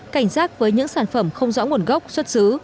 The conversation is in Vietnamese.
cảnh giác với những sản phẩm không rõ nguồn gốc xuất xứ